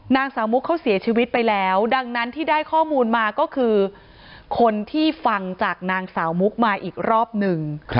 นางสาวมุกเขาเสียชีวิตไปแล้วดังนั้นที่ได้ข้อมูลมาก็คือคนที่ฟังจากนางสาวมุกมาอีกรอบหนึ่ง